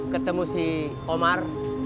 ketemu si omar